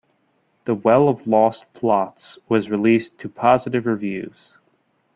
"The Well of Lost Plots" was released to positive reviews.